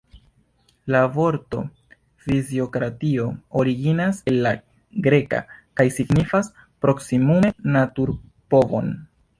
La vorto fiziokratio originas el la greka kaj signifas proksimume naturpovon.